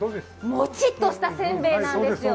もちっとしたせんべいなんですよ。